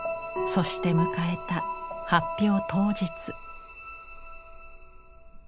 そして迎えた発表当日。